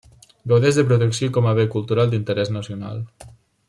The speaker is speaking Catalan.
Gaudeix de protecció com a bé cultural d'interès nacional.